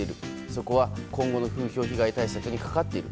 そこは今後の風評被害対策にかかっている。